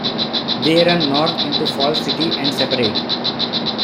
They run north into Falls City and separate.